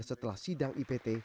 setelah sidang ipt